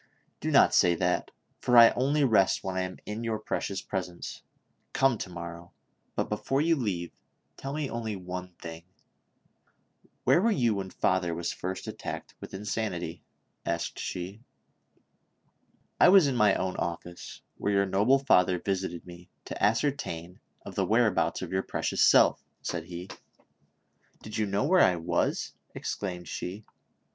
" Do not say that, for I only rest when I am in your precious presence ; come to morrow ; but, before you leave me, tell me only one thing. Where were you when father was first attacked witli insanity ?" asked she. " I was in my own office, where yovu* noble father visited me, to ascertain of the whereabouts of your precious self," said he. "Did you know where I was?" exclaimed she.